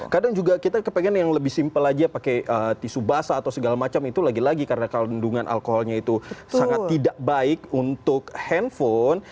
kadang juga kita kepengen yang lebih simpel aja pakai tisu basah atau segala macam itu lagi lagi karena kandungan alkoholnya itu sangat tidak baik untuk handphone